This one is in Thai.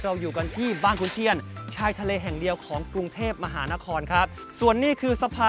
ถ้าไม่ได้โดนพบนี้ต้องกินฉันเยี่ยมของบรรคุมที่แขนต่อไป